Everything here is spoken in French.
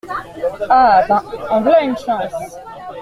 Ah ! ben… en v’là une chance !